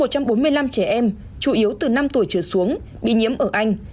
một trăm bốn mươi năm trẻ em chủ yếu từ năm tuổi trở xuống bị nhiễm ở anh